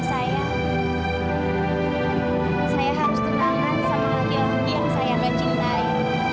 saya harus tenang sama laki laki yang saya gak cintai